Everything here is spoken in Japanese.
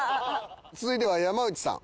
続いては山内さん。